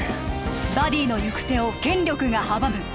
バディの行く手を権力が阻む